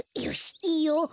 よよしいいよ。